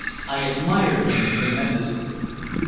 I admired him tremendously.